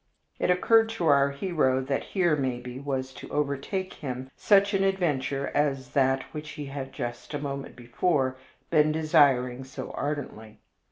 It occurred to our hero that here, maybe, was to overtake him such an adventure as that which he had just a moment before been desiring so ardently.